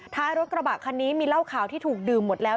ท้ายรถกระบะคันนี้มีเหล้าขาวที่ถูกดื่มหมดแล้ว